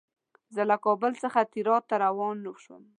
زه له کابل څخه تیراه ته روان شوم.